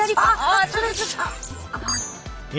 あちょっとちょ。